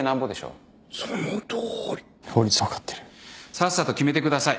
さっさと決めてください。